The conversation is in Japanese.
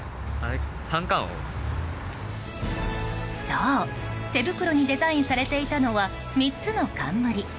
そう、手袋にデザインされていたのは３つの冠。